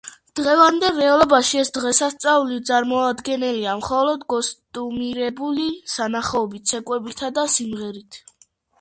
დღევანდელ რეალობაში ეს დღესასწაული წარმოდგენილია მხოლოდ კოსტუმირებული სანახაობით, ცეკვებითა და სიმღერით.